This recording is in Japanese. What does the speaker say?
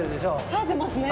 生えてますね